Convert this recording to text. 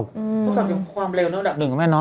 ฮือความเร็วนะอันดับหนึ่งแม่น้อยฮะ